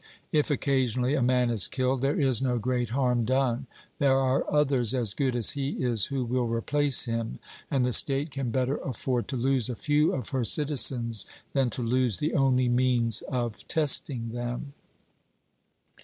If occasionally a man is killed, there is no great harm done there are others as good as he is who will replace him; and the state can better afford to lose a few of her citizens than to lose the only means of testing them.